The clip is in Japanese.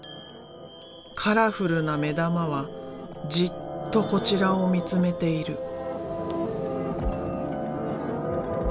カラフルな目玉はじっとこちらを見つめている。